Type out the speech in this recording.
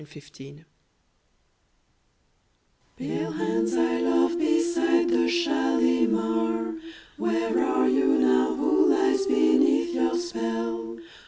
Kashmiri Song Pale hands I love beside the Shalimar, Where are you now? Who lies beneath your spell?